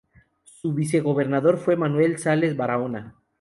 Su vicegobernador fue Manuel Sales Baraona.